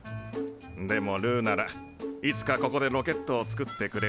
でもルーならいつかここでロケットを作ってくれる。